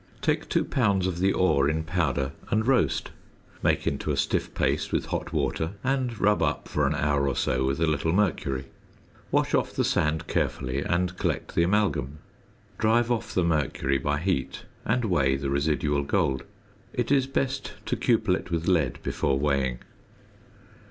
Take 2 lbs of the ore in powder and roast; make into a stiff paste with hot water and rub up for an hour or so with a little mercury. Wash off the sand carefully, and collect the amalgam. Drive off the mercury by heat, and weigh the residual gold. It is best to cupel it with lead before weighing.